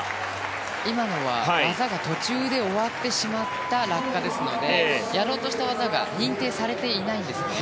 今のは技が途中で終わってしまった落下ですのでやろうとした技が認定されていないんですね。